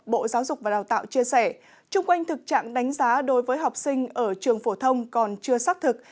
bộ giáo dục và đào tạo chia sẻ trung quanh thực trạng đánh giá đối với học sinh ở trường phổ thông còn chưa xác thực